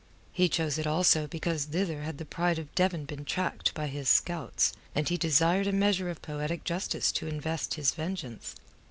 He chose it also because thither had the Pride of Devon been tracked by his scouts, and he desired a measure of poetic justice to invest his vengeance.